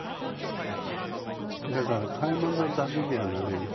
だから買い物だけじゃないの。